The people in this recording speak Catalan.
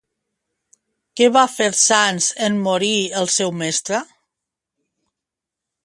Què va fer Sans en morir el seu mestre?